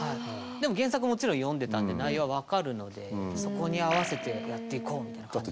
でも原作もちろん読んでたんで内容は分かるのでそこに合わせてやっていこうみたいな感じですね。